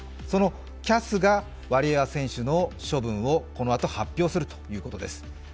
そのＣＡＳがワリエワ選手の処分をこのあと発表するということです。